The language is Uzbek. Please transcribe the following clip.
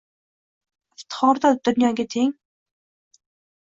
Iftixordir dunyoga teng.